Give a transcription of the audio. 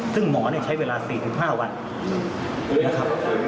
ซึ่งหมอเนี่ยใช้เวลา๔๕วันครับ